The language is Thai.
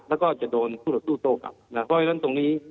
แล้วก็จะโดนคู่ต่อสู้โต้กลับนะเพราะฉะนั้นตรงนี้